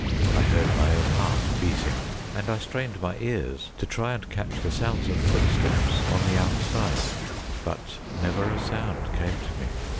I heard my own heart beating, and I strained my ears to try and catch the sounds of footsteps on the outside ; but never a sound came to me.